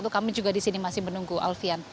kami juga di sini masih menunggu alfian